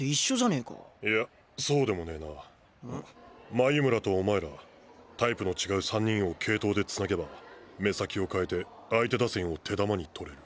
眉村とお前らタイプの違う３人を継投でつなげば目先を変えて相手打線を手玉に取れる。